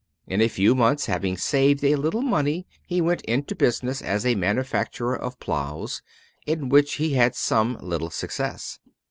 In a few months, having saved a little money, he went into business as a manufacturer of ploughs, in which he had some little success.